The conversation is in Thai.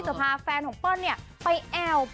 ถ้าพาแฟนของเฟรนนี่ไปแอว